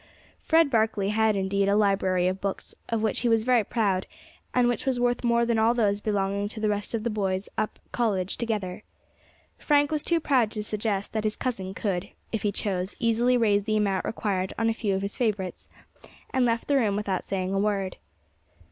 Fred Barkley had indeed a library of books of which he was very proud, and which was worth more than all those belonging to the rest of the boys up College together. Frank was too proud to suggest that his cousin could, if he chose, easily raise the amount required on a few of his favourites, and left the room without saying a word.